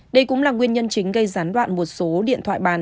đây cũng là nguyên nhân chính gây gián đoạn một số điện thoại bàn